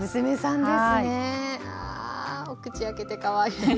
あお口開けてかわいらしい。